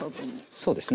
そうですね。